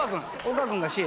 岡君がＣ。